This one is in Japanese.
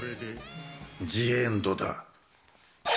ジ・エンドだ。